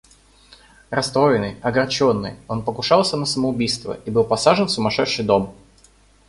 Растроенный, огорченный, он покушался на самоубийство и был посажен в сумашедший дом.